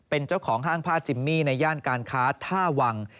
เป็นเจ้าของห้างผ้าจิมมี่ในย่านการค้าท่าวัง